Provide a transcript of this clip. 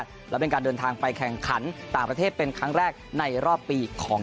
ก็ก่อนไปที่